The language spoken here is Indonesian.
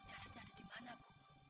jasadnya ada dimana bapak